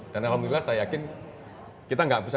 dan alhamdulillah saya yakin kita gak bisa